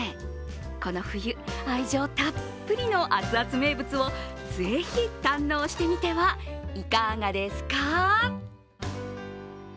この冬、愛情たっぷりのアツアツ名物をぜひ、堪能してみてはいかがですか？